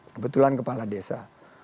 kebetulan kepala desa